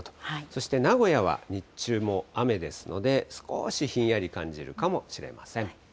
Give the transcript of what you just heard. そして名古屋は、日中も雨ですので、少しひんやり感じるかもしれません。